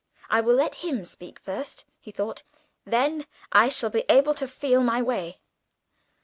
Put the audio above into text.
"I will let him speak first," he thought; "then I shall be able to feel my way."